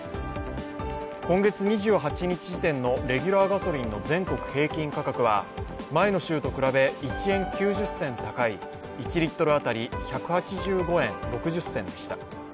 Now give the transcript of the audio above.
今月２８日時点のレギュラーガソリンの全国平均価格は前の週と比べ１円９０銭高い１リットル当たり１８５円６０銭でした。